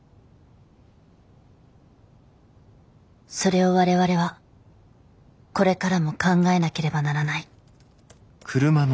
それを我々はこれからも考えなければならない。